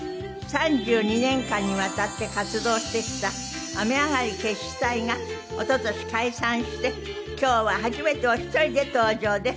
３２年間にわたって活動してきた雨上がり決死隊が一昨年解散して今日は初めてお一人で登場です。